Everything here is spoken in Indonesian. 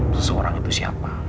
seseorang itu siapa